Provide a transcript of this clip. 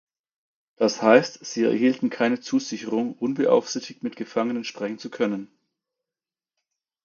Das heißt, sie erhielten keine Zusicherung, unbeaufsichtigt mit Gefangenen sprechen zu können.